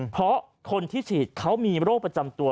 เพราะคนที่ฉีดเขามีโรคประจำตัว